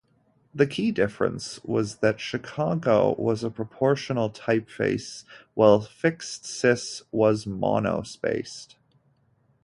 The key difference was that Chicago was a proportional typeface while Fixedsys was monospaced.